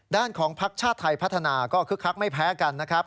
ด้านของพักชาติไทยพัฒนาก็คึกคักไม่แพ้กันนะครับ